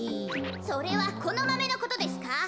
それはこのマメのことですか？